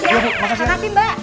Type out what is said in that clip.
iya bu makasih mbak